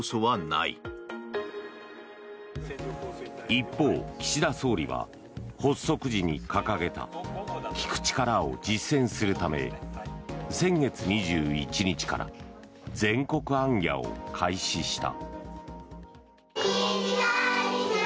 一方、岸田総理は発足時に掲げた聞く力を実践するため先月２１日から全国行脚を開始した。